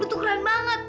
lu tuh keren banget